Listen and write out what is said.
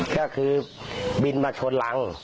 ก็คือบินมาชนรัง